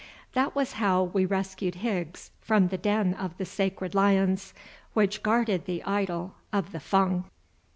That was how we rescued Higgs from the den of the sacred lions which guarded the idol of the Fung.